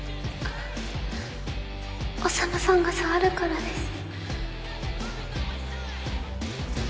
宰さんが触るからです